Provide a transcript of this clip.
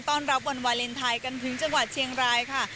ต้อนรับวันวาเลนไทยกันถึงจังหวัดเชียงรายค่ะ